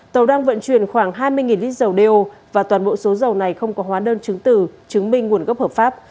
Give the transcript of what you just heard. tàu đang vận chuyển khoảng hai mươi lít dầu đeo và toàn bộ số dầu này không có hóa đơn chứng từ chứng minh nguồn gốc hợp pháp